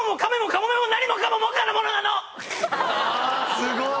すごい！